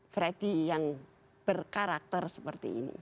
freddy yang berkarakter seperti ini